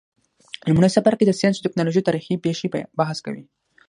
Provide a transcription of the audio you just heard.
لمړی څپرکی د ساینس او تکنالوژۍ تاریخي پیښي بحث کوي.